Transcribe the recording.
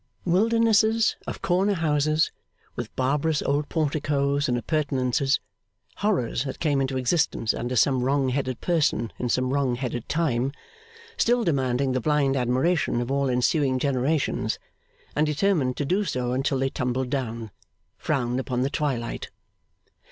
Wildernesses of corner houses, with barbarous old porticoes and appurtenances; horrors that came into existence under some wrong headed person in some wrong headed time, still demanding the blind admiration of all ensuing generations and determined to do so until they tumbled down; frowned upon the twilight.